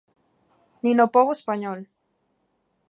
Nin o pobo español.